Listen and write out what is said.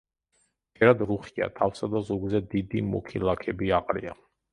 ფერად რუხია, თავსა და ზურგზე დიდი მუქი ლაქები აყრია.